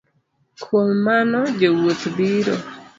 Kuom mano jowuoth biro